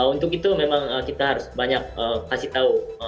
untuk itu memang kita harus banyak kasih tahu